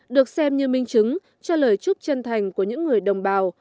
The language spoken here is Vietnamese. được xem như minh chứng cho lời chúc chân thành của những người đồng bào